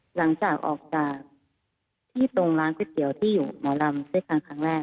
หลังจากออกจากที่ตรงร้านก๋วยเตี๋ยวที่อยู่หมอลำไส้ครั้งครั้งแรก